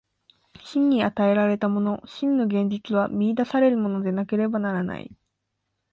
真に与えられたもの、真の現実は見出されるものでなければならない。